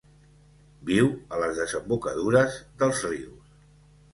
Viu a les desembocadures dels rius.